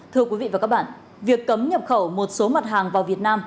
thưa quý vị và các bạn việc cấm nhập khẩu một số mặt hàng vào việt nam